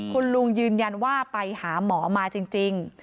คุณลุงยืนยันว่าไปหาหมอมาจริง